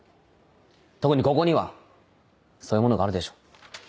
特にここにはそういうものがあるでしょ。